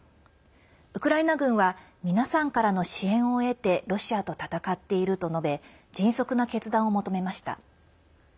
ウクライナ軍は皆さんからの支援を得てロシアと戦っていると述べ迅速な決断を求めました。